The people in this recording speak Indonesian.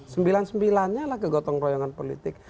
sembilan sembilannya lah kegotong royongan politik